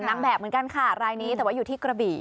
นางแบบเหมือนกันค่ะรายนี้แต่ว่าอยู่ที่กระบี่